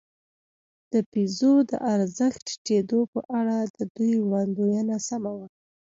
د پیزو د ارزښت ټیټېدو په اړه د دوی وړاندوېنه سمه وه.